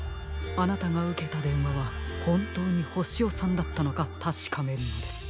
あなたがうけたでんわはほんとうにホシヨさんだったのかたしかめるのです。